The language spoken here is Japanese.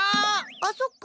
あそっか。